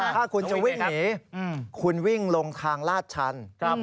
ถ้าคุณจะวิ่งหนีคุณวิ่งลงทางลาดชัน